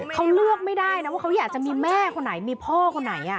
เขาเลือกไม่ได้นะว่าเขาอยากจะมีแม่คนไหนมีพ่อคนไหน